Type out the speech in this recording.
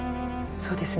そうですね。